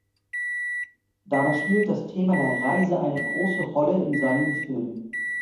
Dabei spielt das Thema der „Reise“ eine große Rolle in seinen Filmen.